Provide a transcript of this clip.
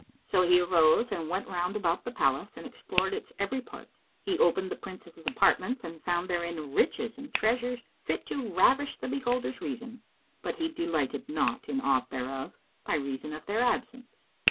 So he arose and went round about the palace and explored its every part; he opened the Princesses' apartments and found therein riches and treasures fit to ravish the beholder's reason; but he delighted not in aught thereof, by reason of their absence.